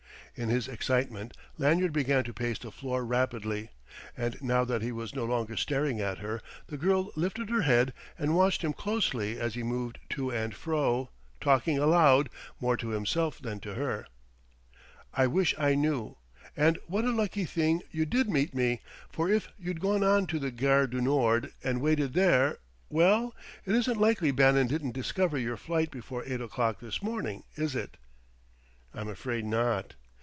In his excitement Lanyard began to pace the floor rapidly; and now that he was no longer staring at her, the girl lifted her head and watched him closely as he moved to and fro, talking aloud more to himself than to her. "I wish I knew! ... And what a lucky thing, you did meet me! For if you'd gone on to the Gare du Nord and waited there....Well, it isn't likely Bannon didn't discover your flight before eight o'clock this morning, is it?" "I'm afraid not...."